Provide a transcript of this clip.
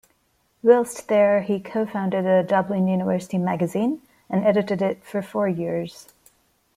Whilst there he co-founded the "Dublin University Magazine" and edited it for four years.